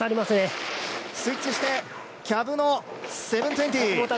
スイッチしてキャブの７２０。